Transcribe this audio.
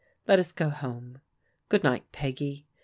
Let us go home. Good night, Peggy.